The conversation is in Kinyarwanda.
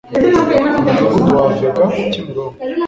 Umudugudu wa AVEGA Kimironko